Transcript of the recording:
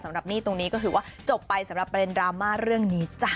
หนี้ตรงนี้ก็ถือว่าจบไปสำหรับประเด็นดราม่าเรื่องนี้จ้ะ